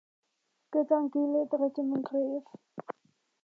Gyda'n gilydd rydym yn gryf.